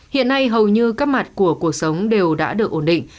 hiện nay hầu như các mặt của cuộc sống đều đã được ổn định